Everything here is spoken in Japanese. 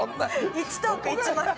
１トーク１万円。